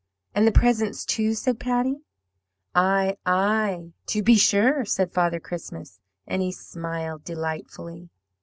"'And the presents, too?' said Patty. "'Aye, aye, TO be sure,' said Father Christmas, and he smiled delightfully.